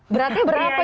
berarti berapa itu